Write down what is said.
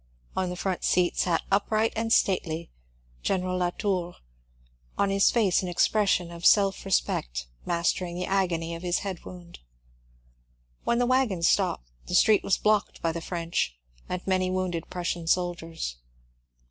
On the front seat sat upright and stately General Latour, on his face an expression of self respect mas tering the agony of his head wound. When the wagon stopped the street was blocked by the French and many wounded Prussian soldiers.